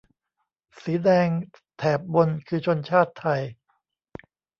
สีแดงแถบบนคือชนชาติไทย